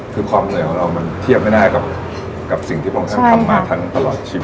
คือความเหนื่อยของเรามันเทียบไม่ได้กับสิ่งที่พระองค์ท่านทำมาท่านตลอดชีวิต